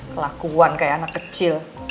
kelakuan kayak anak kecil